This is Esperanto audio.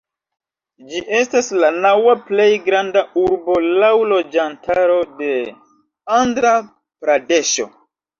Ĝi estas la naŭa plej granda urbo laŭ loĝantaro de Andra-Pradeŝo.